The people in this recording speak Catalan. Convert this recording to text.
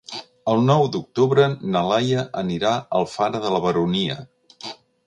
El nou d'octubre na Laia anirà a Alfara de la Baronia.